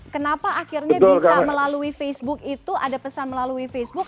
kenapa akhirnya bisa melalui facebook itu ada pesan melalui facebook